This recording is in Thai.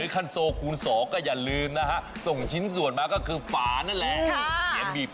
พร้อมแล้วไปโก๊ยเลย